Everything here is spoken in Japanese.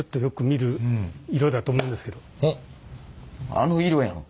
あの色やん。